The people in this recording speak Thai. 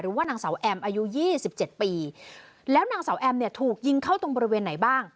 ว่านางสาวแอมอายุยี่สิบเจ็ดปีแล้วนางสาวแอมเนี่ยถูกยิงเข้าตรงบริเวณไหนบ้าง